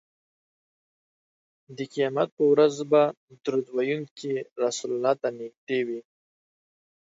د قیامت په ورځ به درود ویونکی رسول الله ته نږدې وي